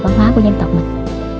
văn hóa của dân tộc mình